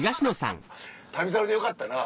『旅猿』でよかったな。